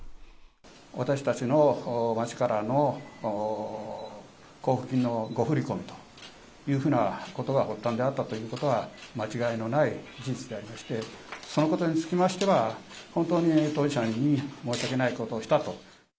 私たちの町からの交付金の誤振り込みというふうなことが発端であったということは間違いのない事実でありまして、そのことにつきましては、本当に当事者に申し訳ないことをしたと。